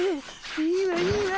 いいわいいわ！